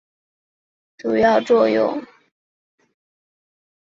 这些微粒对太空风化过程起到了主要作用。